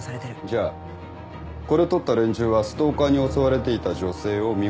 じゃあこれ撮った連中はストーカーに襲われていた女性を見殺しにしたっていうのか？